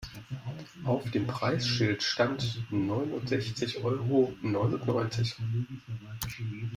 Auf dem Preisschild stand neunundsechzig Euro neunundneunzig.